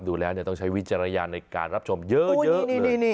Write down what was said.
ดูแล้วต้องใช้วิจารณญาณในการรับชมเยอะเลย